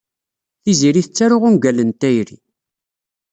Tiziri tettaru ungalen n tayri.